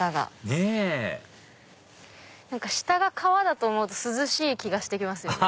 ねぇ下が川だと思うと涼しい気がして来ますよね。